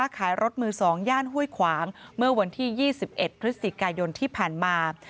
ขายรถมือ๒ย่านห้วยขวางเมื่อวันที่๒๑พฤศจิกายนที่ผ่านมา